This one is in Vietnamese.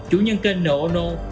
chủ nhân kênh noono